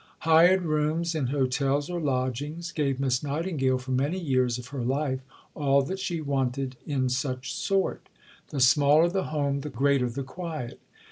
Hired rooms, in hotels or lodgings, gave Miss Nightingale for many years of her life all that she wanted in such sort. The smaller the home, the greater the quiet.